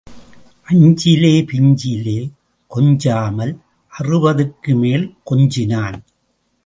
அஞ்சிலே பிஞ்சிலே கொஞ்சாமல் அறுபதுக்குமேல் கொஞ்சினான்.